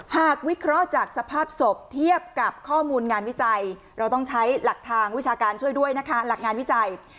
วิเคราะห์จากสภาพศพเทียบกับข้อมูลงานวิจัยเราต้องใช้หลักทางวิชาการช่วยด้วยนะคะหลักงานวิจัย